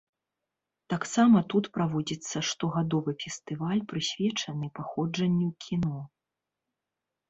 Таксама тут праводзіцца штогадовы фестываль, прысвечаны паходжанню кіно.